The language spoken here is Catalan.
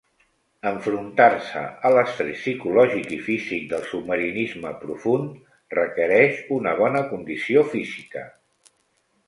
Enfrontar-se a l'estrès psicològic i físic del submarinisme profund requereix una bona condició física.